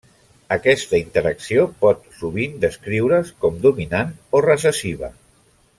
Aquesta interacció pot sovint descriure's com dominant o recessiva.